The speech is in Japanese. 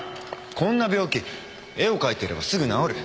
こんな病気絵を描いてればすぐ治る。